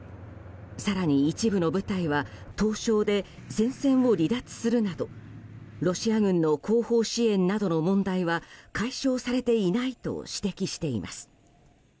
更に一部の部隊は凍傷で戦線を離脱するなどロシア軍の後方支援などの問題は解消されていないと指摘しています。